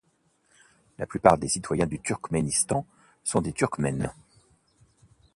La plupart des citoyens du Turkménistan sont des Turkmènes.